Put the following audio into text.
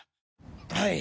はい。